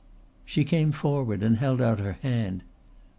She came forward and held out her hand.